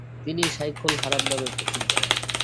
তিনি শায়খুল হারাম নামে প্রসিদ্ধ হন।